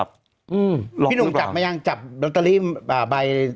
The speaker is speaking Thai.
พี่หนุ่มจับมั้ยยังจับลัตเตอรี่ใบที่สุด